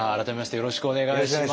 よろしくお願いします。